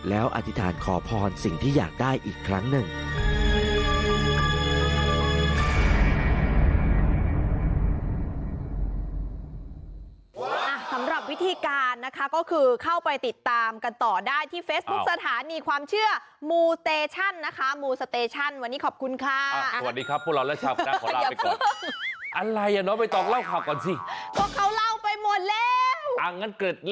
แล้วอธิษฐานขอพรสิ่งที่อยากได้อีกครั้งหนึ่ง